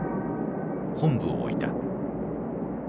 本部を置いた。